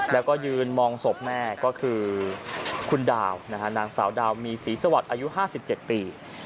แล้วก็ยืนมองศพแม่ก็คือคุณดาวนางสาวดาวมีศรีสวัสดิ์อายุ๕๗ปี